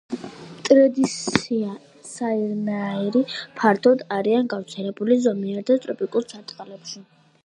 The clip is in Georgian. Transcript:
მტრედისნაირნი ფართოდ არიან გავრცელებული ზომიერ და ტროპიკულ სარტყელებში.